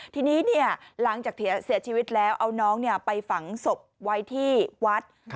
ทีนี้หลังจากเสียชีวิตแล้วเอาน้องไปฝังศพไว้ที่วัด